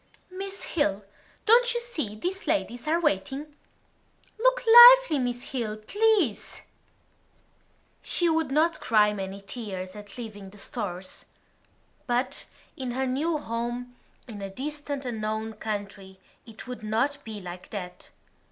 "Miss Hill, don't you see these ladies are waiting?" "Look lively, Miss Hill, please." She would not cry many tears at leaving the Stores. But in her new home, in a distant unknown country, it would not be like that.